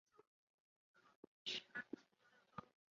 所属经纪公司为。